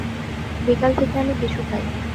বিকাল থেকে আমি কিছু খাইনি।